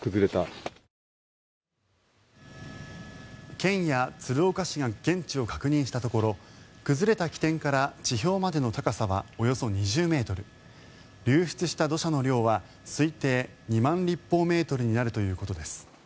県や鶴岡市が現地を確認したところ崩れた起点から地表までの高さはおよそ２０ｍ流出した土砂の量は推定２万立方メートルになるということです。